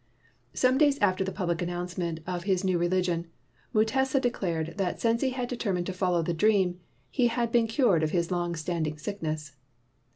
Some days after the public announcement of his new religion, Mutesa declared that since he had determined to follow the dream, he had been cured of his long standing sick ness.